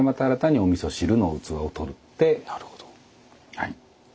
はい。